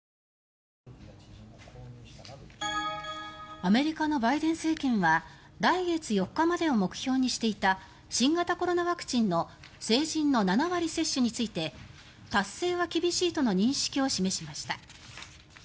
アメリカのバイデン政権は来月４日までを目標にしていた新型コロナワクチンの成人の７割接種について達成は厳しいとの認識を示しました。